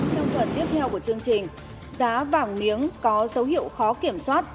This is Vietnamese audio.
trong phần tiếp theo của chương trình giá vàng miếng có dấu hiệu khó kiểm soát